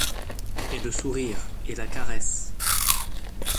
Et le sourire ! et la caresse !.